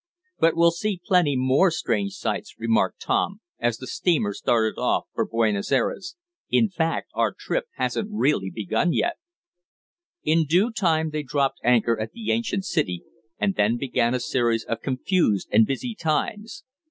"But we'll see plenty more strange sights," remarked Tom, as the steamer started off for Buenos Ayres. "In fact our trip hasn't really begun yet." In due time they dropped anchor at the ancient city, and then began a series of confused and busy times.